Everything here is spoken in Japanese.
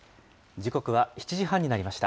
時刻は７時半になりました。